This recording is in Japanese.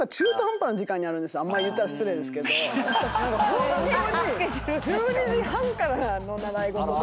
ホントに１２時半からの習い事で。